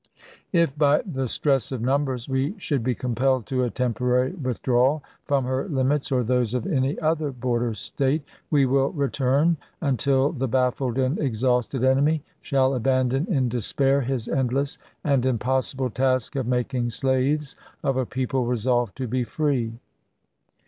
If, by the stress of numbers, we should be compelled to a temporary withdrawal from her limits or those of any other border State, we will return until the baffled and exhausted enemy shall abandon in despair his endless and impossible task of making slaves of a people resolved to be free.